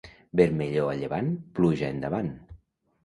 Vermellor a llevant, pluja endavant.